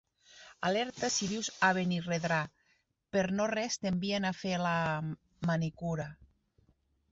Alerta si vius a Benirredrà, per no-res t'envien a fer la... manicura.